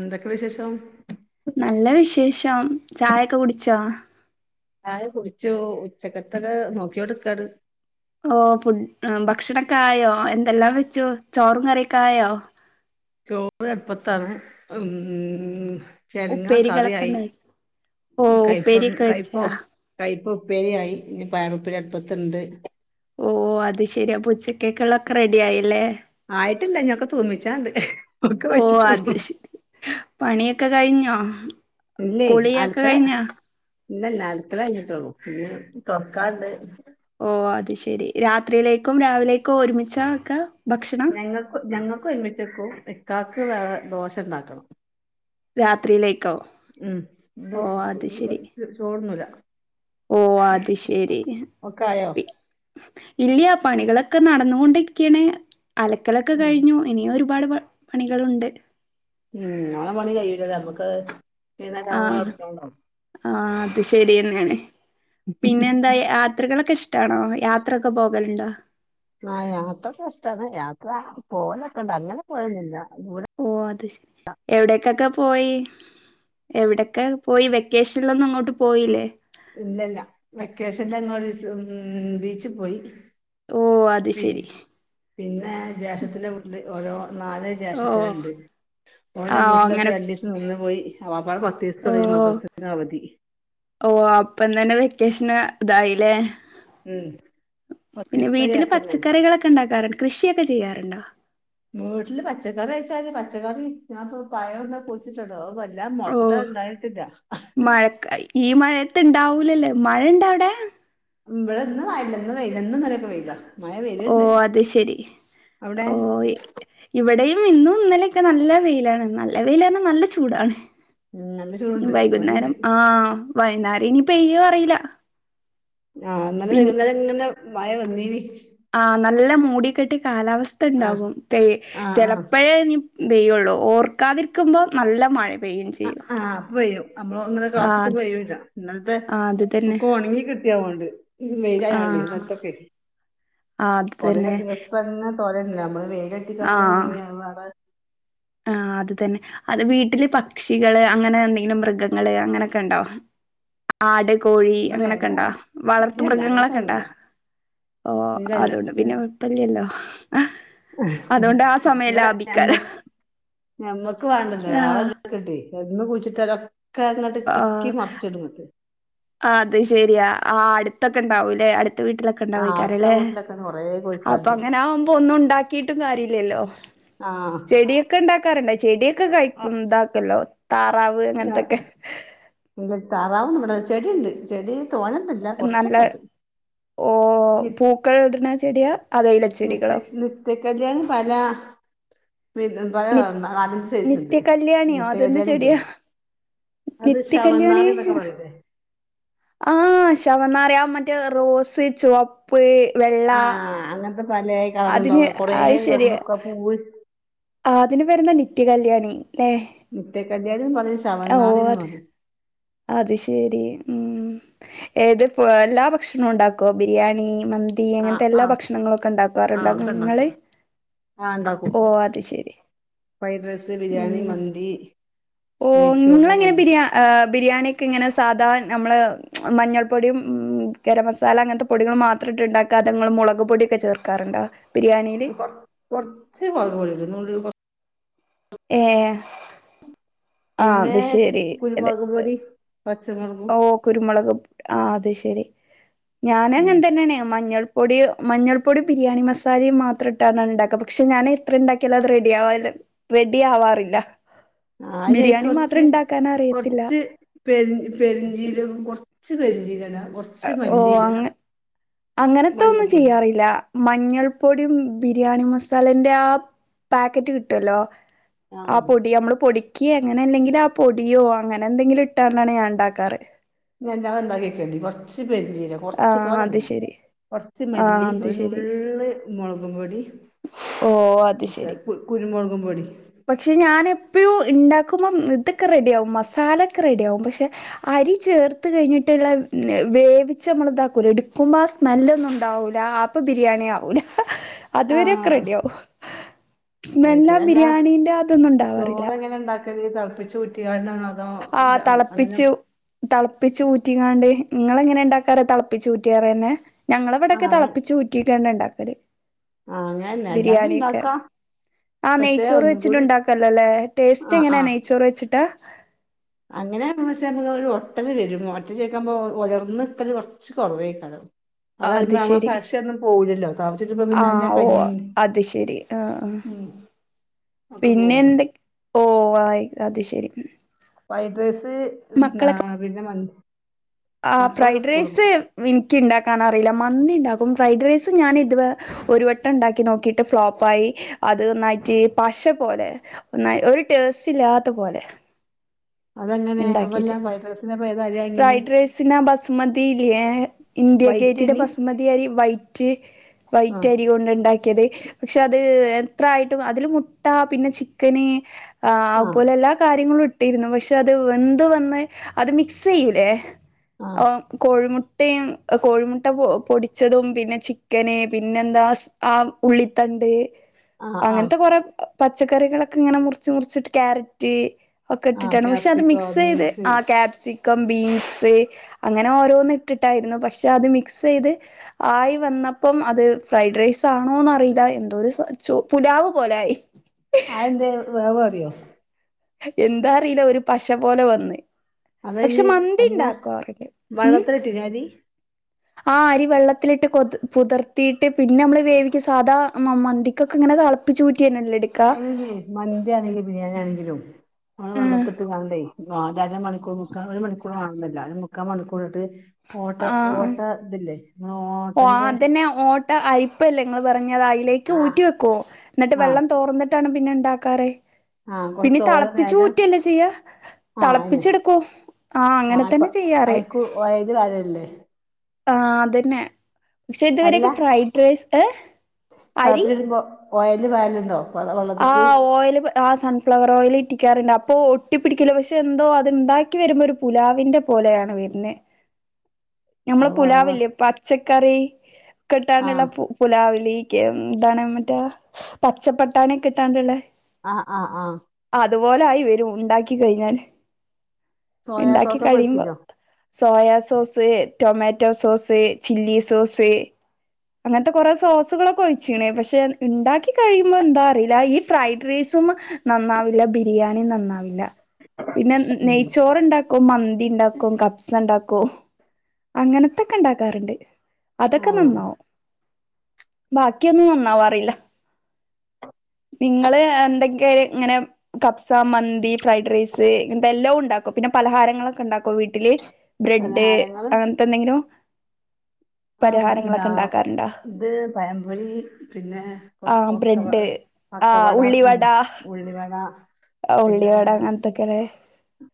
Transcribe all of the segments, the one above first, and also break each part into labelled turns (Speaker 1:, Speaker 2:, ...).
Speaker 1: എന്തൊക്കെ വിശേഷം?
Speaker 2: നല്ല വിശേഷം, ചായൊക്കെ കുടിച്ചോ?
Speaker 1: ചായ കുടിച്ചു, ഉച്ചക്കത്തത് നോക്കിയോണ്ട്ക്കാണ്.
Speaker 2: ഓഹ്, ഫുഡ് ഏഹ് ഭക്ഷണൊക്കായോ എന്തെല്ലാം വെച്ചു. ചോറും കറീ ഒക്കായോ?
Speaker 1: ചോറ് അട്പത്താണ്. ഉം ചെരങ്ങ കറി
Speaker 2: ഉപ്പേരികളൊക്കെ
Speaker 1: ആയി.
Speaker 2: ഉണ്ടായി ഓ
Speaker 1: കൈപ
Speaker 2: ഉപ്പേരിയൊക്കെ
Speaker 1: കൈപ
Speaker 2: വെച്ചാ
Speaker 1: കൈപ്പ ഉപ്പേരി ആയി, ഇനി പയറ് ഉപ്പേരി അടുപ്പത്ത്ണ്ട്.
Speaker 2: ഓഹ് അത് ശരി അപ്പൊ ഉച്ചത്തേക്ക്ള്ളൊക്കെ റെഡിയായില്ലേ
Speaker 1: ആയിട്ടില്ല ഞൊക്കെ തൂമിച്ചാണ്ട്. ഒക്കെ
Speaker 2: ഓ അത്
Speaker 1: വെച്ചിട്ടുള്ളൂ
Speaker 2: ശരി പണിയൊക്കെ കഴിഞ്ഞോ?
Speaker 1: ഇല്ലേ
Speaker 2: കുളിയൊക്കെ
Speaker 1: അലക്കല്
Speaker 2: കഴിഞ്ഞോ
Speaker 1: ഇല്ലല്ല അലക്കല് കഞ്ഞിട്ടുള്ളു പിന്നെ തുറക്കാണ്ട്
Speaker 2: ഓ അത് ശെരി രാത്രിയിലേക്കും രാവിലേക്ക ഒരുമിച്ചാ വേക്ക ഭക്ഷ
Speaker 1: ഞങ്ങക്കു ഞങ്ങക്കുംഉമ്മച്ചിയ്ക്കും ഇക്കാക്ക് വേറെ ദോശ ഉണ്ടാക്കണം
Speaker 2: രാത്രിയിലേക്കോ
Speaker 1: ഉം
Speaker 2: ഓ അത് ശെരി
Speaker 1: ഇത് ചോറ് ഉണ്ണൂല
Speaker 2: ഓ അത് ശരി
Speaker 1: ആയോ
Speaker 2: പി ഇല്യ പണികളൊക്കെ നടന്നുകൊണ്ടിരിക്കാണ് അലക്കലൊക്കെ
Speaker 1: ഉം
Speaker 2: കഴിഞ്ഞു ഇനിയൊരു ഒരുപാട് പ പണികളുണ്ട്
Speaker 1: ഉം നമ്മുടെ പണി കഴിലല്ലോ നമ്മുക്ക്
Speaker 2: ആഹ്
Speaker 1: വൈകുന്നേരം [unintelligible]
Speaker 2: ആഹ് അത് ശരിയന്നെയാണ് പിന്നെ എന്താ യാ യാത്രകളൊക്കെ ഇഷ്ടമാണോ യാത്രയക്കെ പോകലുണ്ടോ
Speaker 1: ആഹ് യാത്രൊക്കെ ഇഷ്ടാണ് യാത്ര പോകലൊക്കെണ്ട് അങ്ങനെ പോയിന്നില്ല ദൂരെ
Speaker 2: ഓ അത് ശരി എവിടക്കൊക്കെ പോയി എവിടക്കെ പോയി വെക്കേഷനിലൊന്നും അങ്ങോട്ട് പോയില്ലേ
Speaker 1: ഇല്ലല്ല വെക്കേഷൻന്റന്നു ഒരീസം ഉം ബീച്ചിൽ പോയി
Speaker 2: ഓ അ
Speaker 1: പി പിന്നെ ജാസത്തിന്റെ വീട്ടിൽ ഓരോ നാല്
Speaker 2: ഓ
Speaker 1: ജാസക്കാരുണ്ട് ഓന്റെ
Speaker 2: ആഹ് അങ്ങനെ
Speaker 1: വീട്ടിലക്കെ രണ്ടീസം ഇന്ന് പോയി ആകപാടെ പത്ത്
Speaker 2: ഓ
Speaker 1: ദിവസത്ത മൊത്തത്തിൽ ഉള്ള അവധി
Speaker 2: ഓ അപ്പൊ തന്നെ വെക്കേഷന് ഇതായില്ലേ
Speaker 1: ഉം
Speaker 2: പിന്നെ
Speaker 1: പത്തീസത്തെ
Speaker 2: വീട്ടില്
Speaker 1: ഗ്യാപ്പ്ണ്ടായിന്
Speaker 2: പച്ചക്കറികളൊക്കെ ഉണ്ടാക്കാറുണ്ട് കൃഷിയൊക്കെ ചെയ്യാറുണ്ടോ
Speaker 1: വീട്ടില് പച്ചക്കറി ചോയിച്ചാല് പച്ചക്കറി ഞാനിപ്പോ പയർ വെ ച്ചിട്ടൊണ്ടോ അത് എല്ല മൊളച്ചിട്ടൊ ഉണ്ടായിട്ടില്ല
Speaker 2: മഴക്കായി ഈ മഴയത്ത് ഇണ്ടാവൂലല്ല മഴ ഇണ്ട അവിടെ
Speaker 1: ഇവിടെ ഇന്ന് മഴയില്ല ഇന്ന് വെയില ഇന്നും ഇന്നലെക്ക വെയില മഴ
Speaker 2: ഓ
Speaker 1: വെയിലുണ്ട്
Speaker 2: അത് ശരി
Speaker 1: അവിടെ
Speaker 2: ഓ ഇവിടെയും ഇന്നും ഇന്നലെയൊക്കെ നല്ല വെയിലാണ് നല്ല വെയിലന്ന നല്ല ചൂടാണ്
Speaker 1: ഉം നല്ല ചൂടുണ്ട് ഇവിടെണ്ട്
Speaker 2: വൈകുന്നേരം ആഹ് വൈകുന്നേരം ഇനി പെയ്യോന്നറിയില്ല
Speaker 1: ആഹ് ഇന്നലെ വെകുന്നേരം ഇങ്ങനെ മഴ വന്നീന്
Speaker 2: ആഹ് നല്ല മൂടിക്കെട്ടി കാലാവസ്ഥ
Speaker 1: ആഹ്
Speaker 2: ഉണ്ടാകും പെ
Speaker 1: ആഹ് ആഹ്
Speaker 2: ചിലപ്പഴേ ഇനി പെയ്യുള്ളൂ ഓർക്കാതിരിക്കുമ്പോ നല്ല മഴ പെയ്യും ചെയ്യും
Speaker 1: ആഹ്ഹ പെയ്യും നമ്മള് അങ്ങനെ
Speaker 2: ആഹ്
Speaker 1: കാട്ടിക്ക്
Speaker 2: അത്
Speaker 1: പെയൂല്ല ഇന്നലത്തെ
Speaker 2: ആഹ് അത് തന്നെ
Speaker 1: ക്കൊക്കെ ഉണങ്ങി കിട്ടിയതൊണ്ട് വെയിലായൊണ്ട്
Speaker 2: ആഹ്
Speaker 1: നത്തെക്കെ
Speaker 2: ആഹ് അത്
Speaker 1: കുറെേ
Speaker 2: തന്നെ
Speaker 1: ദിവസം തന്നെ തോരല്ല നമ്മള് വെയില് തട്ടിക്കാണ്ട്
Speaker 2: ആഹ്
Speaker 1: ഉണങ്ങിയാ വേറെ
Speaker 2: ആഹ് അത് തന്നെ അത് വീട്ടില് പക്ഷികള് അങ്ങനെ എന്തെങ്കിലും മൃഗങ്ങള് അങ്ങനെയൊക്കെ ഉണ്ടോ ആട് കോഴി
Speaker 1: ഇവിടെ
Speaker 2: അങ്ങനെയൊക്കെ ഉണ്ടോ വളർത്ത്
Speaker 1: ഇല്ലല്ല
Speaker 2: മൃഗങ്ങളൊക്കെ ഉണ്ടാ
Speaker 1: അങ്ങനത്തൊന്നുല്ല
Speaker 2: ഓ
Speaker 1: ഇല്ലല്ല
Speaker 2: അതണ്ട് പിന്നെ കുഴപ്പല്ലല്ലോ അതുകൊണ്ട് ആ സമയം
Speaker 1: ഇവിടെ ഞമ്മ
Speaker 2: ലാഭിക്കാലോ
Speaker 1: ഞമ്മക്ക് വേണ്ടല്ലോ
Speaker 2: ആഹ്
Speaker 1: വേറൊരു കിട്ടി എന്ന് കുഴിച്ചിട്ടാലൊക്കെ എന്നിട്ട് ചിക്കി മറിച്ചിടണ്ട്
Speaker 2: ആഹ് അത് ശരി ആഹ് അടുത്തൊക്കെ ഉണ്ടാവുംല്ലെ അടുത്ത വീട്ടിലൊക്കെ ക്കെ ഉണ്ടാവു ഈ
Speaker 1: ആഹ് അടുത്ത
Speaker 2: കരള്
Speaker 1: വീട്ടിലൊക്കെ കൊറേ
Speaker 2: അപ്പ
Speaker 1: കോഴിക്കള്ണ്ട്
Speaker 2: അങ്ങനെ ആകുമ്പോ ഒന്നും ഉണ്ടാക്കിട്ടും കാര്യല്ലല്ലോ
Speaker 1: ആഹ്
Speaker 2: ഒക്കെ ഉണ്ടാക്കാറുണ്ട് ചെടിയൊക്കെ കഴ ഇതാക്കല്ലോ താറാവ് അങ്ങനത്തൊക്കെ
Speaker 1: ഇ താറാവും ഇമ്മടെ ചെടിയ ഉണ്ട് ചെടി തോന്നേന്നും ഇ
Speaker 2: നല്ല ഓ
Speaker 1: നി
Speaker 2: പൂക്കൾ ഇടുന്ന ചെടിയാ അതോ
Speaker 1: നിത്യ
Speaker 2: ഇലച്ചെടികളോ
Speaker 1: നിത്യകല്യാണി പല വിധം
Speaker 2: നി
Speaker 1: പലകളറിൽ നാല് സെയ്‌സ്ണ്ട്
Speaker 2: നിത്യകല്യാണിയോ
Speaker 1: നിത്യ
Speaker 2: അതെന്ത്
Speaker 1: കല്യാണി അല്ലേ
Speaker 2: ചെടിയാ
Speaker 1: അത്
Speaker 2: നിത്യകല്യാണി
Speaker 1: ശവന്നാറിന്നൊക്കെ പറയിലെ
Speaker 2: ആഹ് ശവന്നാറി മറ്റേ റോസ് ചുവ പ്പ് വെൾ
Speaker 1: ആഹ് അങ്ങനത്തെ പലെ കളറുണ്ടാവും കൊറേ ദിവസം നിക്കാ ആഹ് പൂവ്
Speaker 2: ആഹ് ആതിന് പേരന്ന നിത്യ കല്യാണി ല്ലേ
Speaker 1: നിത്യക്കല്യാരിന്ന് പറിം
Speaker 2: ഓ
Speaker 1: ശവന്നാറി എന്ന്
Speaker 2: അത്
Speaker 1: പറിം
Speaker 2: അത് ശരി ഉം ഏത്പ്പോ എല്ലാ ഭക്ഷണോ ഇണ്ടാക്കോ ബിരിയാണി മന്തി തീ
Speaker 1: ആഹ്
Speaker 2: അങ്ങനത്തെ എല്ലാ
Speaker 1: ആഹ്
Speaker 2: ഭക്ഷണങ്ങളും ഒക്കെ ഉണ്ടാക്കാറുണ്ട്
Speaker 1: ആഹ് ഒക്കെ
Speaker 2: നിങ്ങള്
Speaker 1: ഇണ്ടാക്കും ആഹ് ഇണ്ടാക്കും
Speaker 2: ഓ അത് ശരി
Speaker 1: ഫ്രൈഡ്റൈസ്, ബിരിയാണി,
Speaker 2: ഉം
Speaker 1: മന്തി
Speaker 2: ഓ
Speaker 1: നെയ്ച്ചോറ്
Speaker 2: നിങ്ങളങ്ങനെ
Speaker 1: മ
Speaker 2: ബരിയാ എഹ് ബിരിയാണിയക്കെ ഇങ്ങനെ സാധാ ഞമ്മൾ മഞ്ഞൾപ്പൊടിയും ഗരം മസാല അങ്ങനത്തെ പൊടികൾ മാത്രട്ട് ഇണ്ടാക്കാഅതെങ്ങൾ മുളക് പൊടിയൊക്കെ ചേർക്കാറുണ്ടോ ബിരിയാണിയില്
Speaker 1: ഒരു കോർ കോറച്ച് മൊളക് പൊടിടുംനുൾ
Speaker 2: ഏഹ്
Speaker 1: പിന്നെ
Speaker 2: അതെ
Speaker 1: കുരുമുളക് പോടി പച്ചമുളകും
Speaker 2: ഓ കുരുമുളക് ആഹ് അത് ശെരി
Speaker 1: ഉം
Speaker 2: ഞാനങ്ങെതന്നെയാണ് മഞ്ഞൾ പൊടിയോ മഞ്ഞൾ പൊടി ബിരിയാണി മസാലയും മാത്രം ഇട്ടാണ് ഇണ്ടാക്ക പക്ഷെ ഞാൻ എത്ര ഉണ്ടാക്കിയാലോ അത് റെഡി ആവാല്ല റെഡി ആവാറില്ല
Speaker 1: ആഹ് അയിലേക്ക്
Speaker 2: ബിരിയാണി മാത്രം ഇണ്ടാക്കാൻ അറിയത്തില്ല
Speaker 1: പെര് പെരിഞ്ചീരകം കൊറച്ച് പെരിഞ്ചീരട കൊറച്ച്
Speaker 2: ഓ
Speaker 1: മല്ലി ല
Speaker 2: അങ്ങ അങ്ങനത്തെ ഒന്നും ചെയ്യാറില്ല മഞ്ഞൾ പൊടിം ബിരിയാണി മസാലന്റെ ആഹ് പാക്കറ്റ് കിട്ടുല്ലോ ആഹ് പൊടി നമ്മള് പൊടികക്കെ അങ്ങനെ എന്തല്ലെങ്കില് ആഹ് പൊടിയോ അങ്ങനെ എന്തെങ്കിലും ഇട്ടാണ്ടാണ് ഞാൻ ഇണ്ടാക്കാറ്
Speaker 1: ഞല്ലാന്താ കേൾക്കേണ്ടി കൊറച്ച് പെരി ജീരകം
Speaker 2: ആ
Speaker 1: കൊറച്ച്
Speaker 2: അത്
Speaker 1: തോനടേര്ത്
Speaker 2: ശെരി
Speaker 1: കൊറച്ച്
Speaker 2: ആ അത്
Speaker 1: മല്ലിഒരു
Speaker 2: ശെരി
Speaker 1: നുള്ള് മുളകും പൊടി
Speaker 2: ഓ അത്
Speaker 1: മറ്റേ
Speaker 2: ശെരി
Speaker 1: കു കുരുമുളകും പൊടി
Speaker 2: പക്ഷെ ഞാൻ എപ്പഴും ഇ ണ്ടാക്കുമ്പോം ഇതൊക്കെ റെഡിയ ആവും മസാലൊക്കെ റെഡിയാഉം പക്ഷെ അരി ചേർത്ത് കഴിഞ്ഞിട്ടുള്ള വേവിച്ച നമ്മള് ഇതാക്കൂലെ ഇ ടുക്കുമ്പോ ആഹ് സ്മെല്ലൊന്നുംണ്ടാവൂലാ ഇപ്പ ബിരിയാണി ആവൂല അതുവരെക്കെ
Speaker 1: ആഹ്
Speaker 2: റെഡി ആവും
Speaker 1: അത്
Speaker 2: സ്മെല്ല
Speaker 1: ശരി
Speaker 2: ആഹ്
Speaker 1: അല്ല
Speaker 2: ബിരിയാണീന്റെ അതൊന്നും ഉണ്ടാവാറില്ല
Speaker 1: തളപ്പിച്ച് ഊറ്റി ങ്ങാണ്ടനതോ
Speaker 2: ആ
Speaker 1: അതോത അങ്ങനെ
Speaker 2: തളപ്പിച്ചു തളപ്പിച്ച് ഊറ്റിങ്ങാണ്ട് ഇങ്ങളെ എങ്ങനെ ഇണ്ടാക്കാറ് തളപ്പിച്ച് ഊറ്റിയാറന്നെ ഞങ്ങളവിടൊക്കെ
Speaker 1: ആഹ് അങ്ങനെ
Speaker 2: തളപ്പിച്ചച്ച് ഊറ്റിക്കന്നെ ഇണ്ടാക്കല്
Speaker 1: ആഹ് അങ്ങനെന്നെ അല്ലാതി ഇണ്ടാക്കാ
Speaker 2: ആഹ് നെയ്ച്ചോറ് വെച്ചിട്ട്ണ്ടാക്കല്ലഅല്ലേ ടേസ്റ്റ്
Speaker 1: ആഹ്
Speaker 2: എങ്ങനാ നെയ്ച്ചോറ് വെച്ചിട്ടാ
Speaker 1: അങ്ങനെവെച്ചക്കുമ്പോ ഒരു ഒട്ടല് വരും ഒറ്റ ചേക്കുമ്പോ ഒളർന്ന്ക്കല് കോർ റച്ച് കുറവേകാരം
Speaker 2: അത്
Speaker 1: അതാകുമ്പോ
Speaker 2: ശരി
Speaker 1: പശയൊന്നും പോകൂല്ലല്ലോ തളപ്പിച്ചു ഇപ്പ പിന്നെഅയ്ന്റെ
Speaker 2: ആഹ് ഓ
Speaker 1: കഞ്ഞി
Speaker 2: അത് ശെരി ആഹ് ആഹ്
Speaker 1: ഉം ഒക്കെ
Speaker 2: പിന്നെ
Speaker 1: പോവൂലേ
Speaker 2: എന്തൊക് ഓ ആയി അത് ശെരി
Speaker 1: ഫ്രൈഡ് റൈസ്
Speaker 2: മക്കളൊക്കെ
Speaker 1: പിന്നെ മന്തി
Speaker 2: ആഹ്
Speaker 1: മക്കളൊക്കെ
Speaker 2: ഫ്രൈഡ്
Speaker 1: സ്കൂള്
Speaker 2: റൈസ്
Speaker 1: പോയി
Speaker 2: ഇനിക്ക് ഉണ്ടാക്കാൻ അറിയില്ല മന്ദി ഇണ്ടാക്കും ഫ്രൈഡ് റൈസ് ഞാൻ ഇത് വെ ഒരു വട്ടം ഇണ്ടാക്കി നോക്കിട്ട് ഫ്ലോപ്പആയി അത് ഒന്നായിട്ട് പശ പോലെ ഒന്നായി ഒരു ടെേഴസ്റ്റില്ലാത്ത പോലെ
Speaker 1: അതെങ്ങനെ
Speaker 2: ഇണ്ടാക്കിട്ട്
Speaker 1: അല്ലാം ഫൈ ഡ്രൈസിനാ പോത അര്യ വാങ്ങിന്നെ
Speaker 2: സിന ബസ്മതിലെ ഇന്ത്യ ഗേറ്റിന്റെ
Speaker 1: വൈറ്റനി
Speaker 2: ബസുമതി അരി വൈറ്റ് വൈറ്റ്
Speaker 1: ആഹ്
Speaker 2: അരി കൊണ്ട്ണ്ടാക്കി ക്കത് പക്ഷെ അത് എത്രായിട്ടും അതില് മുട്ട പിന്നെ ചിക്കന് ആഹ് അതുപോലെ എല്ലാ കാര്യങ്ങളും ഇട്ടിരുന്നു പക്ഷെ വെന്ത് വന്ന് അത് മിക്സിയ്യൂലേ
Speaker 1: ആഹ്
Speaker 2: ഓഹ്. കോഴിമുട്ടിം കോഴിമുട്ട പൊടിച്ചതും പിന്നെ ചിക്കന് പിന്നെന്താ. ആഹ് ഉള്ളിത്തണ്ട്.
Speaker 1: ആഹ് ആഹ്
Speaker 2: അങ്ങൻത്തെ കൊറെ പച്ചക്കറികളൊക്കെങ്ങനെ മുറിച്ച് മുറിച്ചിട്ട് ക്യാരറ്റ്.
Speaker 1: ആഹ്
Speaker 2: ഒക്കെട്ടിട്ടാണ് പക്ഷെ അത്
Speaker 1: ക്യാപ്സിക്കോ
Speaker 2: മിക്സെയത്
Speaker 1: ബീൻസ്
Speaker 2: ആഹ് ക്യാപ്സിക്കം ബീൻസ്. അങ്ങനെ ഓരോന്നിട്ടിട്ടായിരുന്നു പക്ഷെ അത് മിക്സൈത്. ആയി വന്നപ്പം അത് ഫ്രൈഡ് റൈസ് ആണോന്നറീല്ല എന്തോരു ച്ചോ പുലാവ് പോലായി
Speaker 1: അ എന്തെ വേവേറിയോ
Speaker 2: എന്താറീല ഒരു പശ പോല വന്ന് പക്ഷെ
Speaker 1: അതയ്ന്
Speaker 2: മന്തി
Speaker 1: അല്ല
Speaker 2: ണ്ടാക്കാറിയ ഉം
Speaker 1: വള്ളത്തിലിട്ടിനോ അരി
Speaker 2: ആഹ് അരി വെള്ളത്തിലിട്ട് കൊത് കുതർത്തീട്ട് പിന്നമ്മള് വേവിക്ക സാധാ മ മന്തി കൊക്കെങ്ങനെ തളപ്പിചൂറ്റി യെന്നെല്ല എട്
Speaker 1: അയ്നി നി മന്തിയാണെങ്കിലും ബിരിയാണിയാണെങ്കിലുംനമ്മള്
Speaker 2: ആ
Speaker 1: വള്ളത്ത്ട്ട്ങ്ങാണ്ടെയ് വാണ്ട അരമണിക്കൂർ മുക്കാ ഒരു മണിക്കൂറ് മാണന്നില്ലാ ഒര് മുക്കാ മണിക്കൂറിട്ട് ഓട്ട ഓട്ട തില്ലേ
Speaker 2: ഓഹ് ആതെന്നെ ഓട്ട അയിപ്പല്ലെ ഇങ്ങൾ പറഞ്ഞെതായി ലേക്ക്
Speaker 1: ആഹ്
Speaker 2: ഊറ്റി വെക്കൊ ന്ന്ട്ട്
Speaker 1: ആഹ്
Speaker 2: വെള്ളം തോർന്ന്ട്ടാണ് പിന്നെ ണ്ടാക്കാറ്
Speaker 1: ആഹ് കൊറച്ച്
Speaker 2: പിന്നെ
Speaker 1: തോനെ നേരം
Speaker 2: തളപ്പിച്ചൂറ്റെല്ലേ ച്ച്യ്യാ
Speaker 1: ആഹ് അയന്നെ
Speaker 2: തളപ്പിച്ച് ട്ക്കും ആഹ് അങ്ങനെ തന്നെ ചെയ്യാർ
Speaker 1: ഒയൽ പാരല്ലേ
Speaker 2: ആഹ് അതെന്നെ ക്ഷെ
Speaker 1: അല്ല
Speaker 2: ഇതുവരൊക്കേ ഫ്രൈഡ് റൈസ് ഏ അരി
Speaker 1: ഒയൽല് പാരല്ഇണ്ടോ
Speaker 2: ആഹ് ഓയല് പ ആഹ് സൺഫ്ലവറോയിൽ ഇറ്റിക്കാർണ്ട് അപ്പോ ഒട്ടിപിടിക്കില്ല പക്ഷെ എന്തോ അത് ഇണ്ടാക്കി വരുമ്പോഒര് പുലാവിൻ്റെ പോലെയാണ് വര്ന്നെ ഞമ്മള
Speaker 1: അത് വേവ്
Speaker 2: പുലാവില്ലേ പച്ചക്കറി ക്ക്ട്ടാണ്ട്ള്ള
Speaker 1: ആഹ്
Speaker 2: പു പുലാവിലീക്ക് ന്താണ് മറ്റേ പച്ചപ്പട്ടാണൃക്കെ ട്ടാണ്ട്ള്ളേ
Speaker 1: ആഹ് ആഹ് ആഹ്
Speaker 2: അത്പോലായി വരും ഇണ്ടാക്കികഴിഞാല്
Speaker 1: സോയാ
Speaker 2: ഇണ്ടാക്കി
Speaker 1: സോസൊക്കെ
Speaker 2: കഴിയുമ്പോ
Speaker 1: ഒഴിച്ചിനോ
Speaker 2: soya sauce tomato sauce chilli sauce അങ്ങൻത്ത കെറെ സോസുകളൊ കൊ ഒയ്ച്ച്ണ് പഷെ ഇണ്ടാക്കി ഇ കഴിയുമ്പോ എന്താ അറീല ഈ ഫ്രൈഡ് റൈസും നന്നാവില്ല ബിരിയാണിം നന്നാവില്ല പിന്നെ
Speaker 1: ഉം
Speaker 2: നെയ്ച്ചോറ്ണ്ടാക്കും മന്തി ണ്ടാക്കും കപ്സണ്ടാക്കും അങ്ങനത്തക്ക ണ്ടാക്കാർണ്ട് അതൊക്കെ
Speaker 1: ആഹ്
Speaker 2: നന്നാവും ബാക്കിയൊന്നും നന്നാവാറില്ല നിങ്ങള് എന്തെക്കെ ഇങ്ങനെ കപ്സ മന്തി ഫ്രൈഡ് റൈസ് ഇൻത്ത എല്ലൗണ്ടാക്കും പിന്നെ പലഹാരങ്ങളൊക്കണ്ടാക്കോ വീട്ടില് ബ്രെഡ്
Speaker 1: പലഹാരങ്ങള്
Speaker 2: അങ്ങൻത്ത എന്തേങ്കിലും
Speaker 1: ആ എന്താ
Speaker 2: പരഹാരങ്ങളൊക്കെ ണ്ടാക്കാറ്
Speaker 1: ഇത് പയം പൊരീ പിന്നെ കൊ
Speaker 2: ആഹ്
Speaker 1: കൊക്കവ
Speaker 2: ബ്രെഡ് ആഹ്
Speaker 1: പക്കവട ഉം ഉള്ളിവട
Speaker 2: ആ
Speaker 1: പിന്നെ
Speaker 2: ഉള്ളിവട അങ്ങൻതെക്കെ ലേ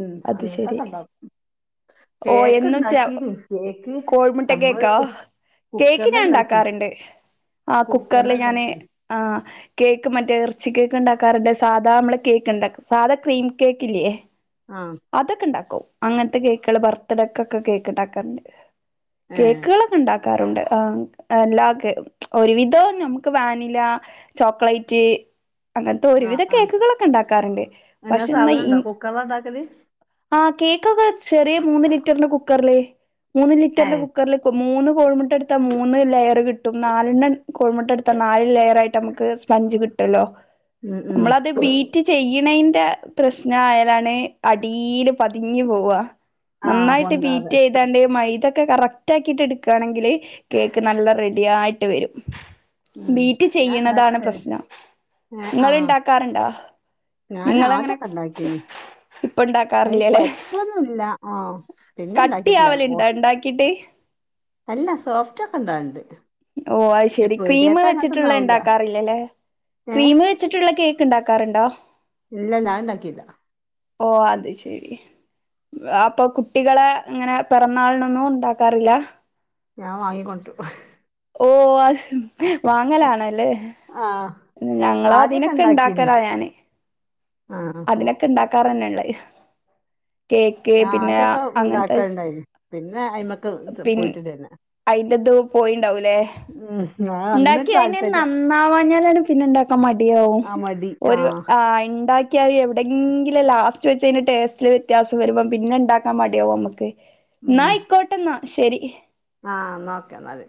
Speaker 1: ഉം അങ്ങൻത്തെക്കെ ണ്ടാക്കും
Speaker 2: ഓഹ് എന്നും ച
Speaker 1: കേക്ക്ണ്ടാക്കീന്ന് കേക്ക്
Speaker 2: കോഴിമുട്ട
Speaker 1: ഞമ്മള്
Speaker 2: കേക്കോ?
Speaker 1: കുക്ക്
Speaker 2: കേക്ക്
Speaker 1: കുക്കറില
Speaker 2: ഞാ
Speaker 1: ഉണ്ടാക്കി
Speaker 2: ണ്ടാക്കാറ്ണ്ട് ആഹ് കുക്കർല്
Speaker 1: കുക്കറില
Speaker 2: ഞാന്
Speaker 1: ഉണ്ടാക്കി
Speaker 2: ആഹ് കേക്ക് മറ്റേ എർച്ചി കേക്ക് ണ്ടാക്കാറ്ണ്ട് സാധാ മ്മള് കേക്ക്ണ്ടാ സാധാ ക്രീം കേക്ക് ഇല്ല്യേ
Speaker 1: ആഹ്
Speaker 2: അതൊക്ക ണ്ടാക്കും അങ്ങൻത്ത കേക്കെൾ ബർത്ത്ഡെക്കൊക്കെ കേക്ക് ണ്ടാക്കാറ്ണ്ട്
Speaker 1: ഏ
Speaker 2: കേക്കെൾ - ണ്ടാക്കാറുണ്ട് ആ എല്ലാക്ക് ഒരുവിധം നമുക്ക് വാനിലാ ചോക്ലേറ്റ് അങ്ങൻത്ത
Speaker 1: ആ
Speaker 2: ഒരുവിധ
Speaker 1: ആ
Speaker 2: കേക്ക് കളൊ - - ഇണ്ടാക്കാറ്ണ്ട്
Speaker 1: അങ്ങനെ
Speaker 2: പഷേ ഇന്നാ
Speaker 1: സാധനം
Speaker 2: ഇ
Speaker 1: ഉണ്ടോ കുക്കറില ഉണ്ടാക്കല്
Speaker 2: ആഹ് കേക്കൊക്കെ ചെറിയ മൂന്ന് ലിറ്റർന്റെ കുക്കർല് മൂന്ന്
Speaker 1: ഏ
Speaker 2: ലിറ്റർന്റെ കുക്കർൽ മൂന്ന് കോഴിമുട്ട എടുത്ത മൂന്ന് ലെയറ് കിട്ടും നാലണ്ണം കോഴിമുട്ട എടുത്ത നാല് ലെയർ ആയിട്ട് നമുക്ക് സ്പഞ്ച് കിട്ടല്ലോ
Speaker 1: ഉം ഉം
Speaker 2: നമ്മളത് ബീ റ്റ് ചെയ്യ്ണേന്റെ പ്രശ്നായാലാണ് അടീല് പതിഞ് പോവ
Speaker 1: ആ
Speaker 2: നന്നായിട്ട്
Speaker 1: പൊന്താതെ
Speaker 2: ബീറ്റ്യ്താണ്ട് മൈതൊക്കെ കറക്റ്റ് ആക്കിട്ട് എടുക്കാണെങ്കില് കേക്ക് നല്ല റെഡിയായിട്ട് വരും.
Speaker 1: ഉം
Speaker 2: ബീറ്റ്
Speaker 1: ഞാൻ
Speaker 2: ചെയ്യണതാണ്
Speaker 1: ഉണ്ടാക്കണ്ടേന്
Speaker 2: പ്രശ്നം
Speaker 1: ഏ ആ
Speaker 2: ഇങ്ങള് ഇണ്ടാക്കാറ്ണ്ടോ?
Speaker 1: ഞാൻ ആദ്യക്കൊ ഇണ്ടാക്കിന്.
Speaker 2: ഇപ്പൊ
Speaker 1: അയി
Speaker 2: ഉണ്ടാക്കാറില്ലല്ലേ
Speaker 1: കൊഴപ്പൊന്നുല്ല ആഹ് പിന്നെ ണ്ടാക്കിട്ടില്ല
Speaker 2: കട്ടിയാവലുണ്ടോ
Speaker 1: ഓഹ്
Speaker 2: ഉണ്ടാക്കിട്ട്
Speaker 1: അല്ല സോഫ്റ്റ്ക്കെ ഒണ്ടാവല്ണ്ട്.
Speaker 2: ഓഹ് അയി ശെരി ക്രീമ് വെച്ചിട്ടുള്ളേ ഇണ്ടാക്കാറില്ലല്ലേ
Speaker 1: ഏഹ്
Speaker 2: വെച്ചിട്ടുള്ള കേക്ക് ഇണ്ടാക്കാറുണ്ടോ?
Speaker 1: ഇല്ല ഞാ ഇണ്ടാക്കിലാ
Speaker 2: ഓഹ് അത് ശെരി അപ്പോ കുട്ടികള് ഇങ്ങനെ പെറാന്നാളിനൊന്നും ഉണ്ടാക്കാറില്ല
Speaker 1: ഞാ വാങ്ങിക്കൊണ്ട്രും
Speaker 2: ഓഹ് ആഹ് വാങ്ങലാണല്ലേ
Speaker 1: ആഹ്
Speaker 2: ഞങ്ങള് അതിനൊക്കെ ഇണ്ടാക്കലാ ഞാന്
Speaker 1: ആഹ്
Speaker 2: അതിനൊക്കെ ഇണ്ടാക്കാറന്നെള്ളേ കേക്ക്
Speaker 1: ഞാൻ
Speaker 2: പിന്നെ
Speaker 1: ആദ്യൊക്കെ
Speaker 2: അങ്ങൻത്തെ സ്
Speaker 1: ഉണ്ടാക്കലുണ്ടായിന് പിന്നെ അയിമക്ക്
Speaker 2: പിൻ
Speaker 1: പോയിട്ടില്ല പിന്നെ
Speaker 2: അയിന്റത് പോയിണ്ടാവൂലേ
Speaker 1: ഉം ഉം
Speaker 2: ഇണ്ടാക്കിയിഞ്ഞ നന്നാവാഞ്ഞാലാണ് പിന്നെ ഇണ്ടാക്കാൻ മടിയാവും.
Speaker 1: ആ മടി ആ
Speaker 2: ഒരു ആഹ് ഇണ്ടാ ക്കിയാ എവടെങ്കിലും ലാസ്റ്റ് വെച്ച് അയിന് ടെസ്റ്റില് വ്യത്യാസം വരുമ്പോം പിന്നെണ്ടാക്കാൻ മടിയവുമ്മക്ക്. ന്നായിക്കോട്ടന്നാ ശെരി.
Speaker 1: ആഹ് എന്നാ ഓക്കേ എന്നാല്